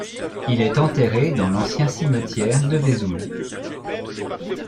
Il est enterré dans l'ancien cimetière de Vesoul.